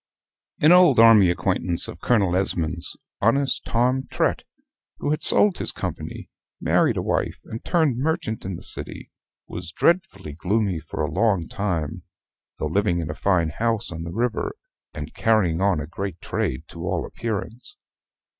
An old army acquaintance of Colonel Esmond's, honest Tom Trett, who had sold his company, married a wife, and turned merchant in the city, was dreadfully gloomy for a long time, though living in a fine house on the river, and carrying on a great trade to all appearance.